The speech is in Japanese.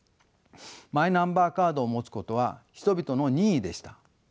マイナンバーカードを持つことは人々の任意でした。